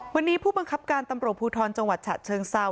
วันนี้ผู้บังคับการตำรวจภูทรจังหวัดฉะเชิงเซา